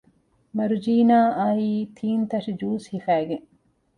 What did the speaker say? މަރުޖީނާ އައީ ތިން ތަށި ޖޫސް ހިފައިގެން